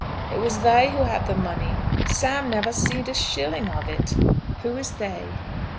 "It was they who had the money. Sam never seed a shilling of it." "Who is 'they'?"